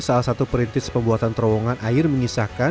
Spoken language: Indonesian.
salah satu perintis pembuatan terowongan air mengisahkan